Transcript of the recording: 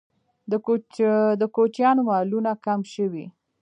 د کوچیانو مالونه کم شوي؟